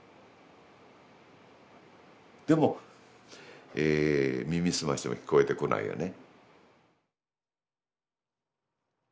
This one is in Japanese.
でも耳澄ましても聞こえてこないよね。